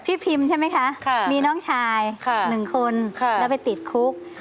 พิมใช่ไหมคะมีน้องชาย๑คนแล้วไปติดคุก